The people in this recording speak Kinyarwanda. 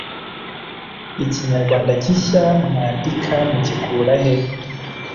Ikinyarwanda gishya mwandi ka mugikura he